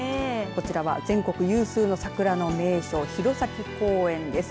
こちらは全国有数の桜の名所弘前公園です。